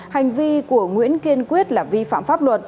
hành vi của nguyễn kiên quyết là vi phạm pháp luật